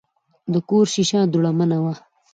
د کور شیشه دوړمنه وه.